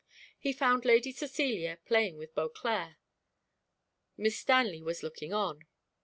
He found Lady Cecilia playing with Beauclerc; Miss Stanley was looking on.